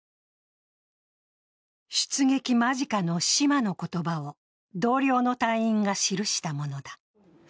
出撃間近の島の言葉を同僚の隊員が記したものだ。